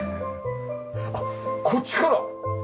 あっこっちから！